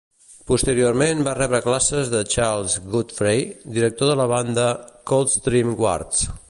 Posteriorment va rebre classes de Charles Godfrey, director de la banda Coldstream Guards.